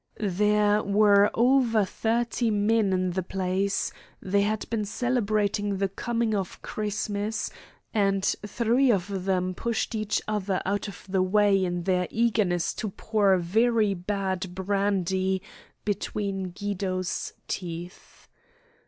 There were over thirty men in the place; they had been celebrating the coming of Christmas; and three of them pushed each other out of the way in their eagerness to pour very bad brandy between Guido's teeth.